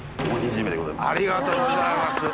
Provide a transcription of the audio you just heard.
ありがとうございます。